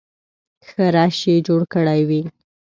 ښه رش یې جوړ کړی وي.